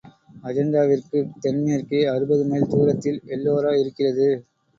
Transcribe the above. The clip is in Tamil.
அஜந்தாவிற்குத் தென் மேற்கே அறுபது மைல் தூரத்தில் எல்லோரா இருக்கிறது.